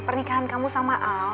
pernikahan kamu sama al